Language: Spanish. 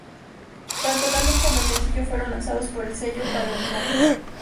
Tanto el álbum como el sencillo fueron lanzados por el sello Parlophone.